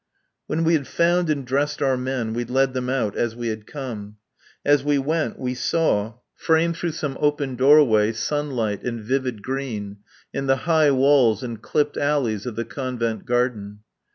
When we had found and dressed our men, we led them out as we had come. As we went we saw, framed through some open doorway, sunlight and vivid green, and the high walls and clipped alleys of the Convent garden.